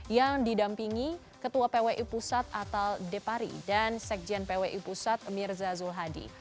yang didampingi ketua pwi pusat atal depari dan sekjen pwi pusat mirza zulhadi